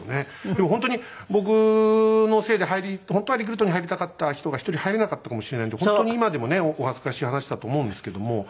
でも本当に僕のせいで本当はリクルートに入りたかった人が１人入れなかったかもしれないので本当に今でもねお恥ずかしい話だと思うんですけども。